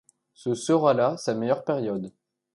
Ce sera là sa meilleure période.